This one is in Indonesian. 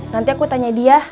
nanti aku tanya dia